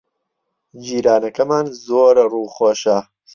جیرانەکەمان زۆر ڕووخۆشە.